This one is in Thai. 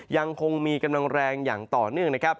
ยังคงมีกำลังแรงอย่างต่อเนื่องนะครับ